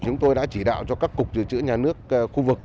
chúng tôi đã chỉ đạo cho các cục dự trữ nhà nước khu vực